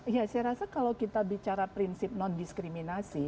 ya saya rasa kalau kita bicara prinsip non diskriminasi